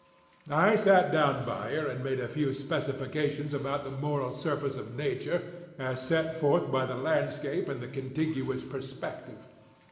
"I sat down by her and made a few specifications about the moral surface of nature as set forth by the landscape and the contiguous perspective.